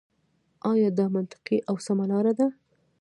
آيـا دا مـنطـقـي او سـمـه لاره ده.